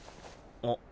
あっ。